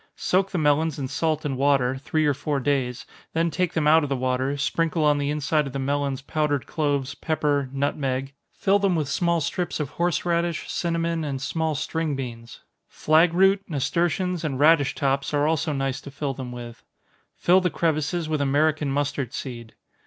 Soak the melons in salt and water, three or four days; then take them out of the water; sprinkle on the inside of the melons, powdered cloves, pepper, nutmeg; fill them with small strips of horseradish, cinnamon, and small string beans. Flag root, nasturtions, and radish tops, are also nice to fill them with. Fill the crevices with American mustard seed.